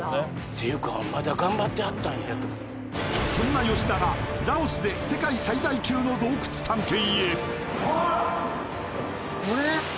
ていうかそんな吉田がラオスで世界最大級の洞窟探検へあっ！